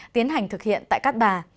tiến hành thực hiện tại cát bà